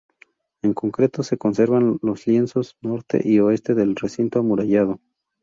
En concreto se conservan los lienzos norte y oeste del recinto amurallado.